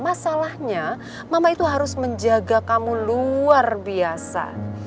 masalahnya mama itu harus menjaga kamu luar biasa